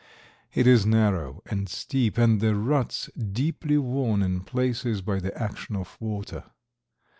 It is narrow and steep and the ruts deeply worn in places by the action of water.